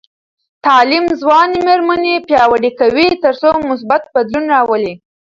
تعلیم ځوانې میرمنې پیاوړې کوي تر څو مثبت بدلون راولي.